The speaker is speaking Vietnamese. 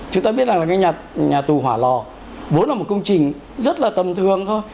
chúng ta biết rằng là cái nhà tù hỏa lò vốn là một công trình rất là tầm thường thôi